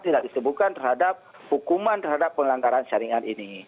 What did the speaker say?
tidak disebutkan terhadap hukuman terhadap pelanggaran syaringan ini